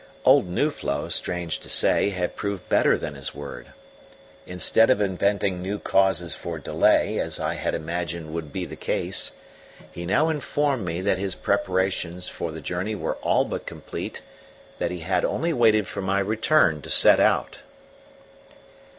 Old Nuflo, strange to say, had proved better than his word. Instead of inventing new causes for delay, as I had imagined would be the case, he now informed me that his preparations for the journey were all but complete, that he had only waited for my return to set out.